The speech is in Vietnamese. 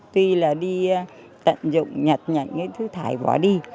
tuy là đi tận dụng nhặt nhặt những thứ thải bỏ đi